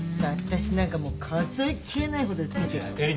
私なんかもう数えきれないほど出てるよ。